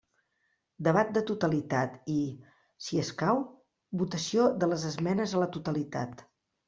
Debat de totalitat i, si escau, votació de les esmenes a la totalitat.